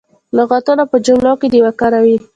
لغتونه په جملو کې دې وکاروي.